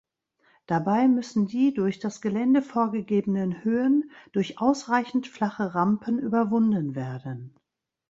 Dabei müssen die durch das Gelände vorgegebenen Höhen durch ausreichend flache Rampen überwunden werden.